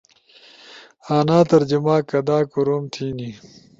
آنا ترجمہ کدا کورعم تھینی؟